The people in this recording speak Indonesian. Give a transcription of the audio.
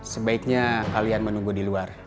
sebaiknya kalian menunggu di luar